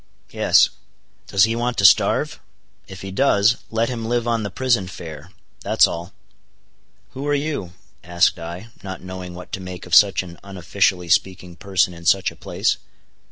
"Yes." "Does he want to starve? If he does, let him live on the prison fare, that's all." "Who are you?" asked I, not knowing what to make of such an unofficially speaking person in such a place.